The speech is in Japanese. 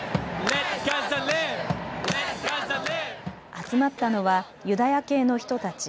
集まったのはユダヤ系の人たち。